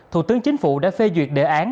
thủ tướng chính phủ đã phê duyệt đề án